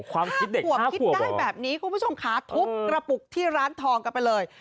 ขวบคิดได้แบบนี้คุณผู้ชมค่ะทุบกระปุกที่ร้านทองกันไปเลย